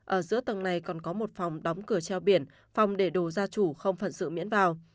ở giữa tầng này còn có một phòng đóng cửa treo biển phòng để đồ gia chủ không phận sự miễn vào